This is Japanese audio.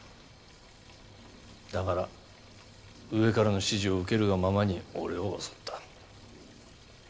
だから上からの指示を受けるがままに俺を襲った。